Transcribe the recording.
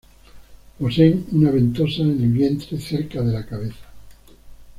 Poseen una ventosa en el vientre cerca de la cabeza.